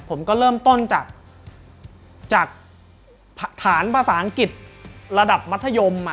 ผมก็เริ่มต้นจากฐานภาษาอังกฤษระดับมัธยม